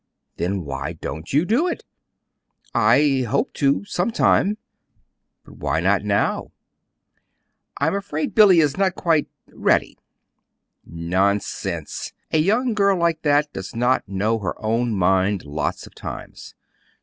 "Then why don't you do it?" "I hope to, sometime." "But why not now?" "I'm afraid Billy is not quite ready." "Nonsense! A young girl like that does not know her own mind lots of times.